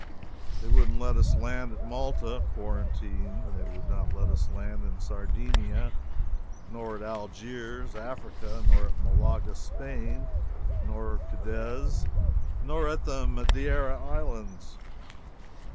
They wouldn't let us land at Malta quarantine; they would not let us land in Sardinia; nor at Algiers, Africa; nor at Malaga, Spain, nor Cadiz, nor at the Madeira islands.